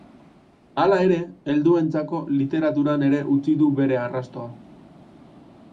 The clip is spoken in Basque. Hala ere, helduentzako literaturan ere utzi du bere arrastoa.